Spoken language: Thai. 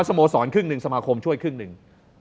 โมสรครึ่งหนึ่งสมาคมช่วยครึ่งหนึ่ง